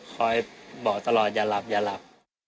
คอยบอกตลอดอย่าหลับอย่าหลับ